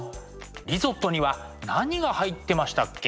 リゾットには何が入ってましたっけ？